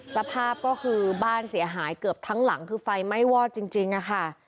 สภาพก็คือบ้านเสียหายเกือบทั้งหลังคือไฟไหม้วอดจริงค่ะ